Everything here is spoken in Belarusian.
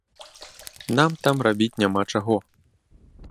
Нам там рабіць няма чаго.